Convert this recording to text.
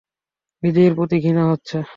নিজের প্রতি ঘৃণা হচ্ছে।